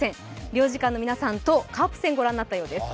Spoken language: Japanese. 領事館の皆さんとカープ戦をご覧になったようです。